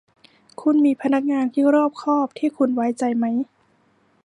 คุณมีพนักงานที่รอบคอบที่คุณไว้ใจไหม